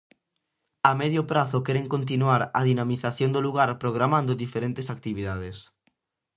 A medio prazo queren continuar a dinamización do lugar programando diferentes actividades.